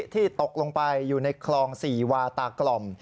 ที่ตกลงไปอยู่ในคลอง๔วาตากล่อม